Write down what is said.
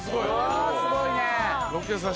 すごいね。